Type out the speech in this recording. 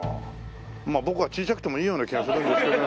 まあ僕は小さくてもいいような気がするんですけど。